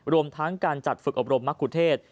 รวมทั้งการจัดฝึกอบรมมะคุเทศ